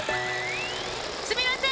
すみません！